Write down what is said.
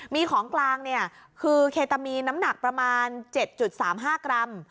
มีของกลางคือเคตามีนน้ำหนักประมาณ๗๓๕กรัม